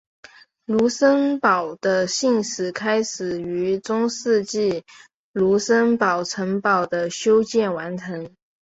卢森堡的信史开始于在中世纪卢森堡城堡的修建完成。